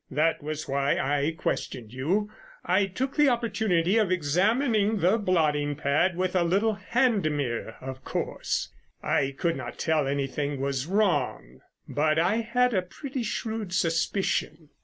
That was why I questioned you. I took the opportunity of examining the blotting pad with a little hand mirror—of course, I could not tell anything was wrong, but I had a pretty shrewd suspicion.